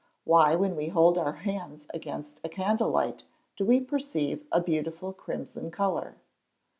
_Why when we hold our hands against a candle light do we perceive a beautiful crimson colour?